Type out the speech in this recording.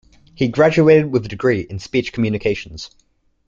He graduated with a degree in speech communications.